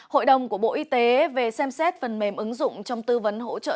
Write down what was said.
hội đồng của bộ y tế về xem xét phần mềm ứng dụng trong tư vấn hỗ trợ